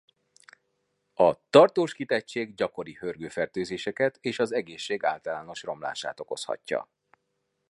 A tartós kitettség gyakori hőrgő-fertőzéseket és az egészség általános romlását okozhatja.